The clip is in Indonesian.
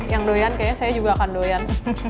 yang doyan kayaknya saya juga akan doyan